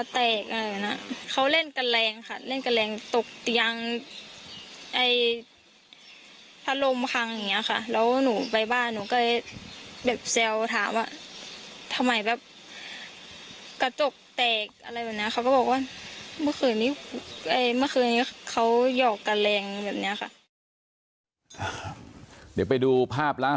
สิบเก้านาฬิกาที่ผ่านมานะครับที่บ้านของน้องปอนะครับทุกผู้ชมครับ